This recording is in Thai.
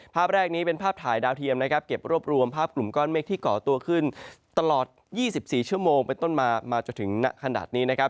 ภาพแรกนี้เป็นภาพถ่ายดาวเทียมนะครับเก็บรวบรวมภาพกลุ่มก้อนเมฆที่เกาะตัวขึ้นตลอด๒๔ชั่วโมงเป็นต้นมามาจนถึงณขนาดนี้นะครับ